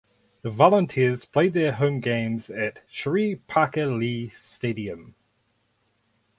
The Volunteers play their home games at Sherri Parker Lee Stadium.